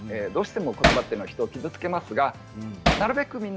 どうしてもことばは人を傷つけますがなるべく